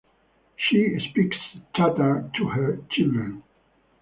She speaks Tatar to her children.